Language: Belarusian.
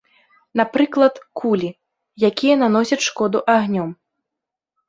Напрыклад, кулі, якія наносяць шкоду агнём.